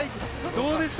どうでした？